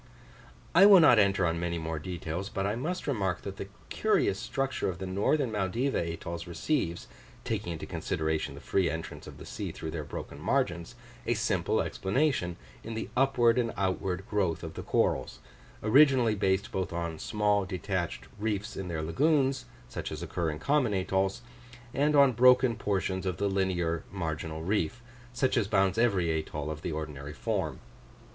I will not enter on many more details; but I must remark that the curious structure of the northern Maldiva atolls receives (taking into consideration the free entrance of the sea through their broken margins) a simple explanation in the upward and outward growth of the corals, originally based both on small detached reefs in their lagoons, such as occur in common atolls, and on broken portions of the linear marginal reef, such as bounds every atoll of the ordinary form.